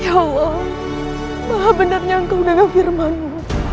ya allah maha benarnya engkau adalah firmanmu